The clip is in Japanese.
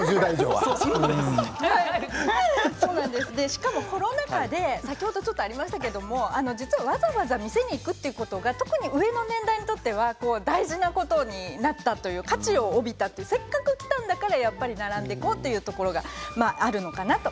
しかもコロナ禍でわざわざお店に行くということが特に上の年代にとっては大事なことになった価値を帯びたせっかく来たんだから並んでいこうというところがあるのかなと。